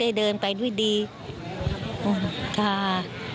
โอ้ฮ่าท่า